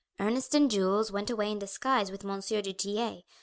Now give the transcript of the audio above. Ernest and Jules went away in disguise with Monsieur du Tillet.